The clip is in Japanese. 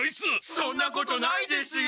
そんなことないですよ！